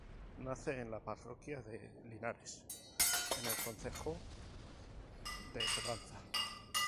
Nace en la parroquia de Linares, en el concejo de Proaza.